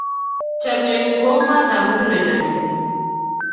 Chamnyengung ko u matap muguleldonyu